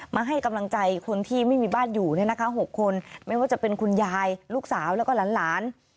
มาให้กำลังใจคนที่ไม่มีบ้านอยู่เนี่ยนะคะ๖คนไม่ว่าจะเป็นคุณยายลูกสาวแล้วก็หลาน